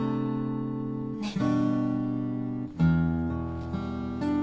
ねっ？